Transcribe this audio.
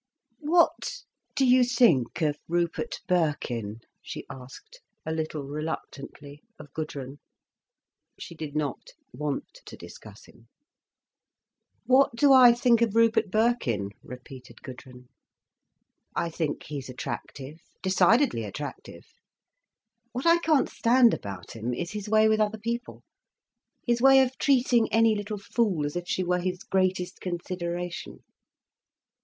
"What do you think of Rupert Birkin?" she asked, a little reluctantly, of Gudrun. She did not want to discuss him. "What do I think of Rupert Birkin?" repeated Gudrun. "I think he's attractive—decidedly attractive. What I can't stand about him is his way with other people—his way of treating any little fool as if she were his greatest consideration.